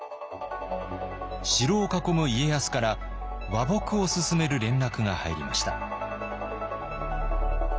城を囲む家康から和睦をすすめる連絡が入りました。